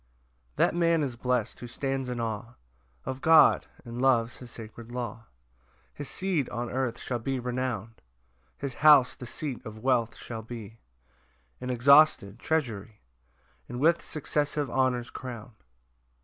1 That man is blest who stands in awe Of God, and loves his sacred law: His seed on earth shall be renown'd; His house the seat of wealth shall be, An inexhausted treasury, And with successive honours crown'd.